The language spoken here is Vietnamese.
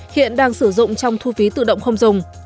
hiện đang sử dụng trong thu phí tự động không dùng